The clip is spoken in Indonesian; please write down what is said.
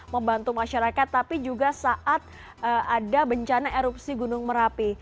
membantu masyarakat tapi juga saat ada bencana erupsi gunung merapi